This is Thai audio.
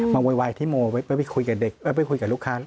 มาไวที่โมไปคุยกับลูกค้า